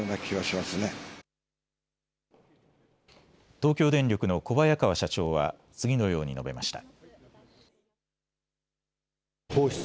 東京電力の小早川社長は次のように述べました。